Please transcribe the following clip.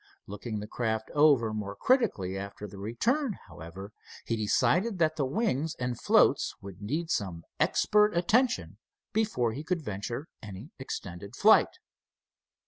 Looking the craft over more critically after the return, however, he decided that the wings and floats would need some expert attention before he could venture any extended flight.